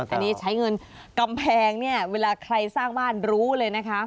อันนี้ใช้เงินกำแพงเนี่ยเวลาใครสร้างบ้านรู้เลยนะคะ